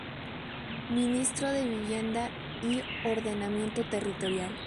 Ministro de Vivienda y Ordenamiento Territorial